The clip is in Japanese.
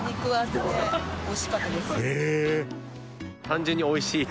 「単純に美味しい」。